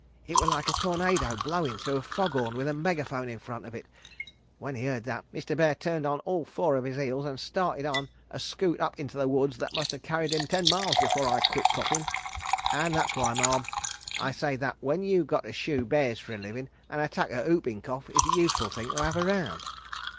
It was like a tornado blowin' through a fog horn with a megaphone in front of it. When he heard that, Mr. Bear turned on all four of his heels and started on a scoot up into the woods that must have carried him ten miles before I quit coughin'. "An' that's why, Ma'am, I say that when you've got to shoo bears for a livin', an attack o' whoopin' cough is a useful thing to have around."